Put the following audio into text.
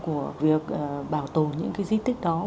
của việc bảo tồn những cái di tích đó